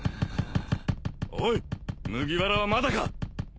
おい麦わらはまだか？